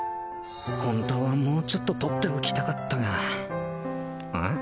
本当はもうちょっと取っておきたかったがうん？